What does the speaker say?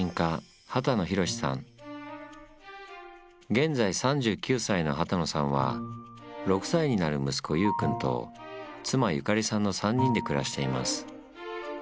現在３９歳の幡野さんは６歳になる息子優君と妻由香里さんの３人で暮らしています。